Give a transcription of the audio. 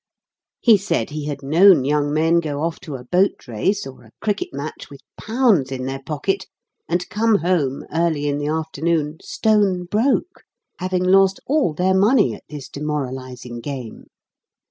He said he had known young men go off to a boat race, or a cricket match, with pounds in their pocket, and come home, early in the afternoon, stone broke; having lost all their money at this demoralising game.